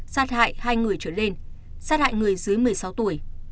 sát hại hai người trở lên sát hại người dưới một mươi sáu tuổi